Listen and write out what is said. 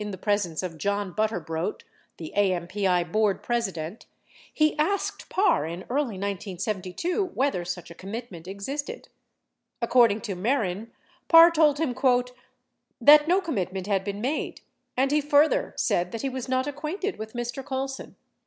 712 presence of John Butterbrodt, the AMPI board president, he asked Parr in early 1972 whether such a commitment existed; according to Mehren, Parr told him, "that no commitment had been made ; and he further said that he was not acquainted with Mr. Colson."